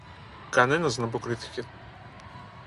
Κανένας δεν αποκρίθηκε.